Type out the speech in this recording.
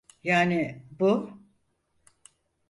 Yani, bu…